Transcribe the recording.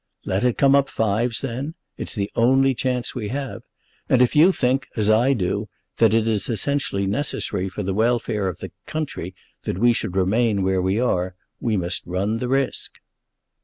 "Let it come up fives, then. It's the only chance we have; and if you think, as I do, that it is essentially necessary for the welfare of the country that we should remain where we are, we must run the risk."